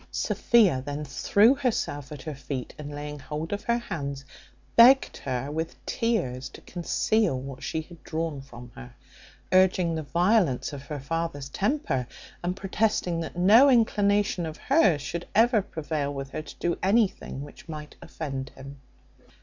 Sophia then threw herself at her feet, and laying hold of her hands, begged her with tears to conceal what she had drawn from her; urging the violence of her father's temper, and protesting that no inclinations of hers should ever prevail with her to do anything which might offend him.